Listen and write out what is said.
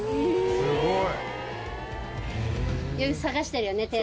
「すごい！」